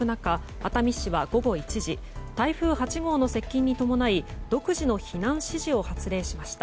熱海市は午後１時台風８号の接近に伴い独自の避難指示を発令しました。